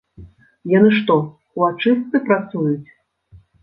Яны што, у ачыстцы працуюць?